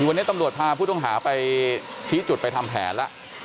ถึงวันนี้ตำรวจพาพวกผู้ตงหาการชี้จุดไปมีทางแผนที่ประกัน